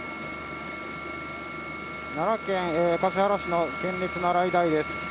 奈良県橿原市の県立奈良医大です。